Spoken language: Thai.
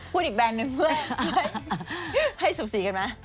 พูดอีกแบรนด์นึงเพื่อให้สุกษีกันไหม